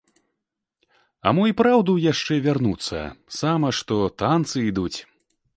А мо і праўда яшчэ вярнуцца, сама што танцы ідуць.